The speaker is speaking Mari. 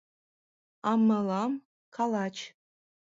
А мылам — калач».